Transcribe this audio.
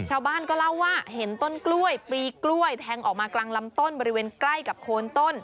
ชาวบ้านก็เล่าว่าเห็นต้นกล้วยปลีกล้วยแทงออกมากลางลำต้นบริเวณใกล้กับโคนต้น